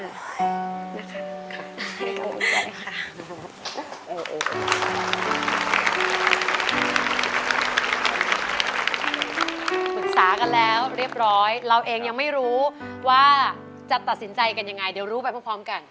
ปรึกษากันแล้วเรียบร้อยเราเองยังไม่รู้ว่าจะตัดสินใจกันยังไงเดี๋ยวรู้ไปพร้อมกัน